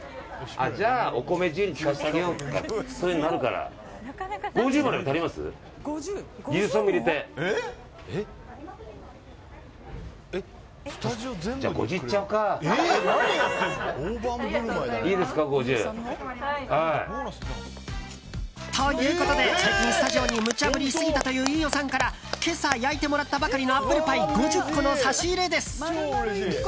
じゃあ、お米自由に使わせてあげようかそういうふうになるから。ということで最近、スタジオにむちゃ振りしすぎたという飯尾さんから今朝焼いてもらったばかりのアップルパイ５０個の差し入れです。